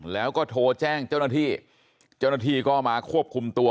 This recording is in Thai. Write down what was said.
แล้วก็โทรแจ้งเจ้าหน้าที่เจ้าหน้าที่ก็มาควบคุมตัว